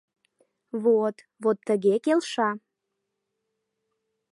— Вот, вот тыге келша.